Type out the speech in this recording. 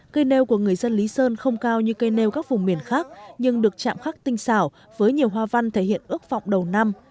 cây nêu của người dân lý sơn không cao như cây nêu các vùng miền khác nhưng được chạm khắc tinh xảo với nhiều hoa văn thể hiện ước vọng đầu năm